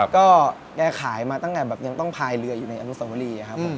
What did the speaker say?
ก็แกขายมาตั้งแต่แบบยังต้องพายเรืออยู่ในอนุสวรีครับผม